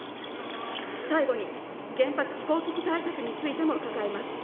最後に、原発、気候危機対策についても伺います。